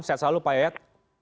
sehat selalu pak yad